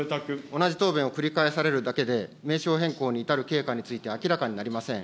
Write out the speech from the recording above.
同じ答弁を繰り返されるだけで、名称変更に至る経過について明らかになりません。